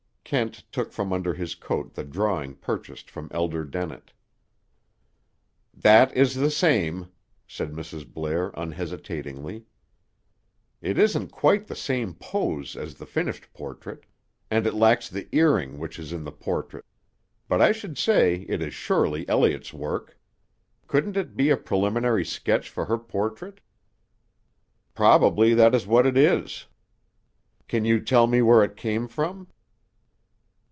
Kent took from under his coat the drawing purchased from Elder Dennett. "That is the same," said Mrs. Blair unhesitatingly. "It isn't quite the same pose as the finished portrait. And it lacks the earring which is in the portrait. But I should say it is surely Elliott's work. Couldn't it be a preliminary sketch for the portrait?" "Probably that is what it is." "Can you tell me where it came from?"